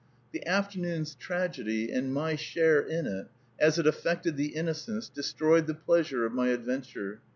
The afternoon's tragedy, and my share in it, as it affected the innocence, destroyed the pleasure of my adventure.